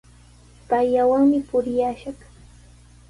Payllawanmi purillashaq.